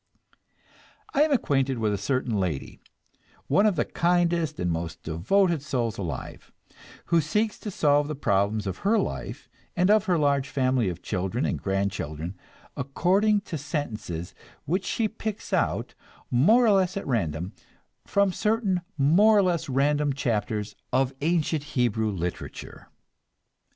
I am acquainted with a certain lady, one of the kindest and most devoted souls alive, who seeks to solve the problems of her life, and of her large family of children and grand children, according to sentences which she picks out, more or less at random, from certain more or less random chapters of ancient Hebrew literature.